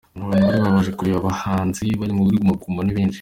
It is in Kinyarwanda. Abantu bari baje kureba abahanzi bari muri Guma Guma ni benshi.